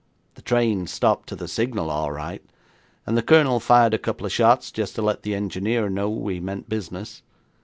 'The train stopped to the signal all right, and the Colonel fired a couple of shots just to let the engineer know we meant business.